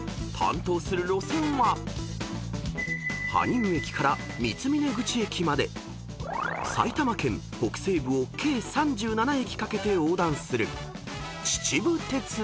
［担当する路線は羽生駅から三峰口駅まで埼玉県北西部を計３７駅かけて横断する］